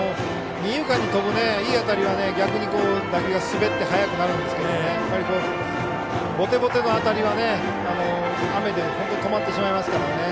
二遊間に飛ぶいい当たりは逆に打球が滑って速くなるんですけどボテボテの当たりは、雨で止まってしまいますからね。